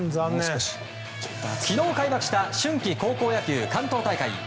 昨日、開幕した春季高校野球関東大会。